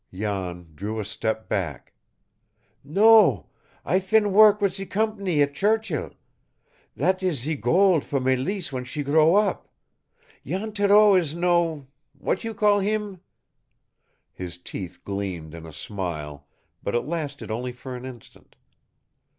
Jan drew a step back. "No, I fin' work with ze compan ee at Churchill. That is ze gold for Mélisse when she grow up. Jan Thoreau is no what you call heem?" His teeth gleamed in a smile, but it lasted only for an instant.